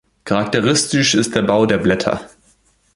Charakteristisch ist der Bau der Blätter.